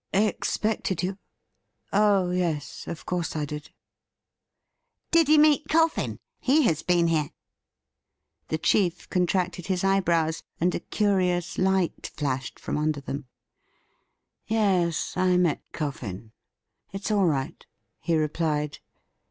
' Expected you ? Oh yes ; of course I did.' ' Did you meet Coffin .'' He has been here.' The chief contracted his eyebrows, and a curious light flashed from under them. ' Yes ; I met Coffin. It's all right,' he replied.